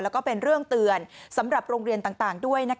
แล้วก็เป็นเรื่องเตือนสำหรับโรงเรียนต่างด้วย